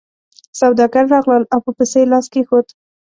سوداګر راغلل او په پسه یې لاس کېښود.